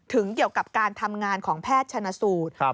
เกี่ยวกับการทำงานของแพทย์ชนะสูตร